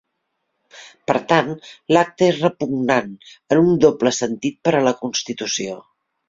Per tant, l'acte és repugnant en un doble sentit per a la Constitució.